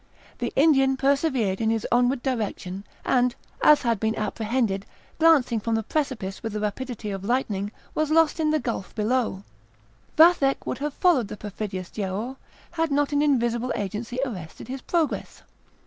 The Indian persevered in his onward direction, and, as had been apprehended, glancing from the precipice with the rapidity of lightning, was lost in the gulf below. Vathek would have followed the perfidious Giaour, had not an invisible agency arrested his progress.